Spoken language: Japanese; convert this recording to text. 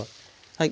はい。